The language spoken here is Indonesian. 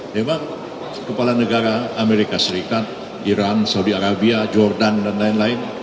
memang kepala negara amerika serikat iran saudi arabia jordan dan lain lain